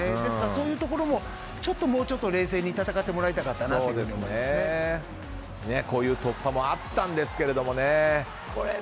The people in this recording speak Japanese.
そういうところも冷静に戦ってもらいたかったなとこういう突破もあったんですがね。